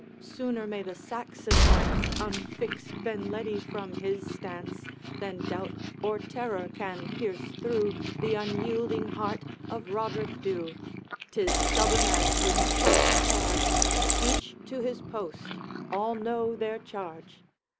sooner may the Saxon lance Unfix Benledi from his stance, Than doubt or terror can pierce through The unyielding heart of Roderick Dhu! 'tis stubborn as his trusty targe. Each to his post! all know their charge.'